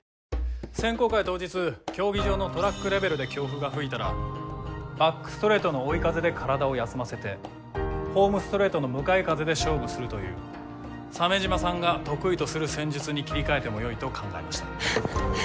選考会当日競技場のトラックレベルで強風が吹いたらバックストレートの追い風で体を休ませてホームストレートの向かい風で勝負するという鮫島さんが得意とする戦術に切り替えてもよいと考えました。